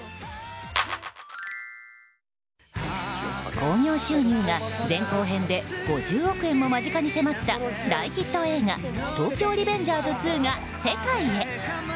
興行収入が前後編で５０億円も間近に迫った大ヒット映画「東京リベンジャーズ２」が世界へ。